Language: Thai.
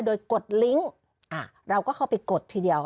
โดยกดลิงค์เราก็เข้าไปกดทีเดียว